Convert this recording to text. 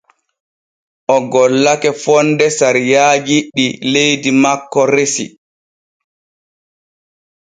O gollake fonde sariyaaji ɗi leydi makko resi.